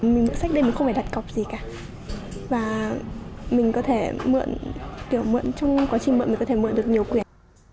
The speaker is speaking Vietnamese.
mình mượn sách đây mình không phải đặt cọc gì cả và mình có thể mượn kiểu mượn trong quá trình mượn mình có thể mượn được nhiều quyền